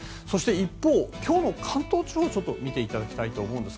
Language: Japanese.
一方、今日の関東地方を見ていただきたいと思います。